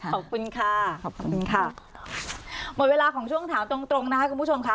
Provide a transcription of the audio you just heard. ขอบคุณค่ะขอบคุณค่ะหมดเวลาของช่วงถามตรงตรงนะคะคุณผู้ชมค่ะ